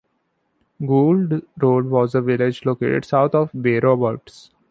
Goulds Road was a village located south of Bay Roberts.